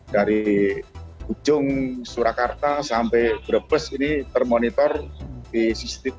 dari ujung surakarta sampai berhubung bus ini termonitor di cctv dan laporan dari para kasar atas semuanya cukup lancar